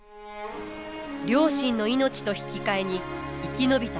両親の命と引き換えに生き延びた瀬名。